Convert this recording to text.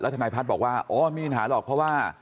ทนายพัฒน์บอกว่าอ๋อไม่มีปัญหาหรอกเพราะว่า